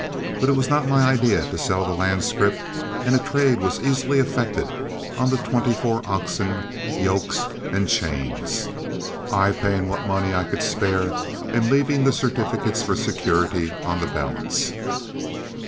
But it was not my idea to sell the land scrip, and a trade was easily effected on the twenty four oxen, yokes, and chains, I paying what money I could spare and leaving the certificates for security on the balance.